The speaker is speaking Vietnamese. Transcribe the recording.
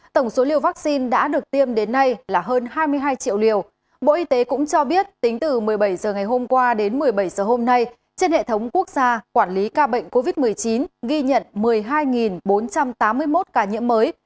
từ một mươi bảy h ngày hôm qua đến một mươi bảy h hôm nay trên hệ thống quốc gia quản lý ca bệnh covid một mươi chín ghi nhận một mươi hai bốn trăm tám mươi một ca nhiễm mới